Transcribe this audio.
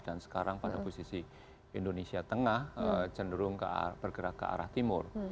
dan sekarang pada posisi indonesia tengah cenderung bergerak ke arah timur